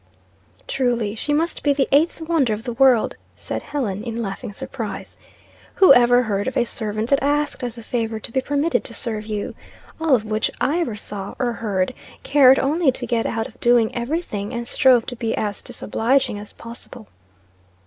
"Truly, she must be the eighth wonder of the world!" said, Helen in laughing surprise. "Who ever heard of a servant that asked as a favor to be permitted to serve you? All of which I ever saw, or heard, cared only to get out of doing every thing, and strove to be as disobliging as possible."